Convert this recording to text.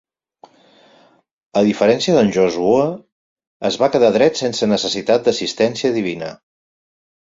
A diferència d'en Joshua, es va quedar dret sense necessitat d'assistència divina.